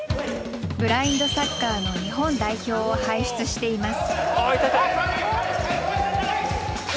ブラインドサッカーの日本代表を輩出しています。